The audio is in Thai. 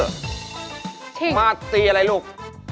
มาตีอะไรลูก